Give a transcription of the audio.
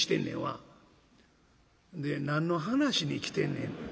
「で何の話に来てんねんな」。